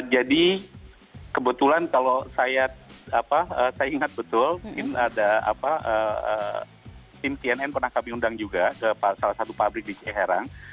jadi kebetulan kalau saya apa saya ingat betul mungkin ada apa tim tnn pernah kami undang juga ke salah satu pabrik di cieherang